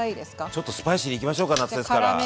ちょっとスパイシーにいきましょうか夏ですから。